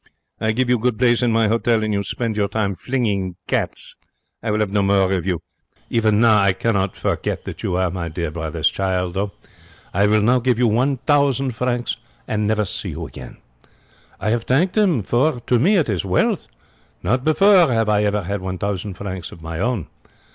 I give you good place in my hotel, and you spend your time flinging cats. I will 'ave no more of you. But even now I cannot forget that you are my dear brother's child. I will now give you one thousand francs and never see you again.' I have thanked him, for to me it is wealth. Not before have I ever had one thousand francs of my own.